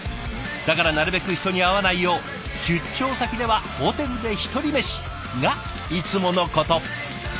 だからなるべく人に会わないよう出張先ではホテルで一人メシがいつものこと。